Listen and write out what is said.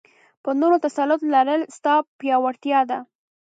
په نورو تسلط لرل؛ ستا پياوړتيا ده.